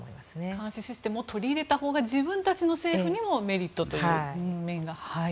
監視システムを取り入れたほうが自分たちの政府にもメリットという面が。